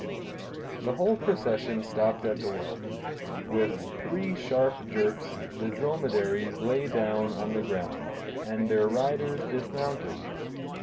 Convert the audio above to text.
The whole procession stopped at the well. With three sharp jerks, the dromedaries lay down on the ground, and their riders dismounted.